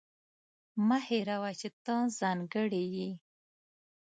مه هېروه چې ته ځانګړې یې.